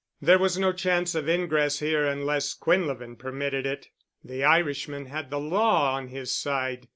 There was no chance of ingress here unless Quinlevin permitted it. The Irishman had the law on his side.